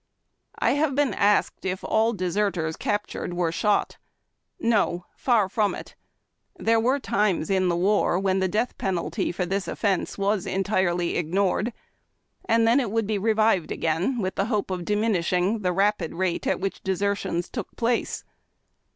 I have been asked if all deserters captured were shot. No ; far from it. There were times in the war when the death penalty for this offence was entirely ignored, and then it would be revived again with the hope of diminishing the rapid rate at which desertions took place.